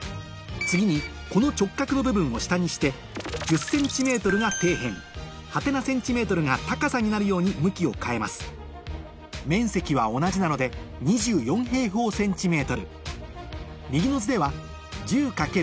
次にこの直角の部分を下にして１０ｃｍが底辺「？ｃｍ」が高さになるように向きを変えます面積は同じなので２４ｃｍ右の図では１０×？